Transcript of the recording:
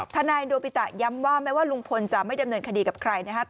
ทนายโดปิตะย้ำว่าแม้ว่าลุงพลจะไม่ดำเนินคดีกับใครนะครับ